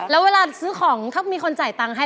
แล้วเวลาซื้อของถ้ามีคนจ่ายตังค์ให้